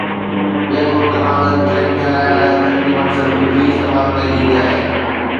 ٻين ملڪن وانگر، ٽرين کي هلائڻ لاء تقريبا صرف بجلي استعمال ڪئي ويندي آهي